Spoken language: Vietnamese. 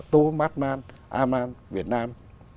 tô mát man a man việt nam